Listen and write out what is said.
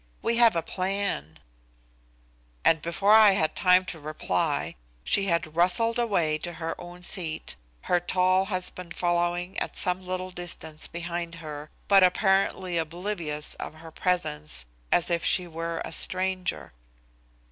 We have a plan," and before I had time to reply she had rustled away to her own seat, her tall husband following at some little distance behind her, but apparently oblivious of her presence as if she were a stranger.